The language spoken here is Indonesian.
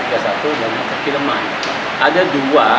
yang menurut film lain ada dua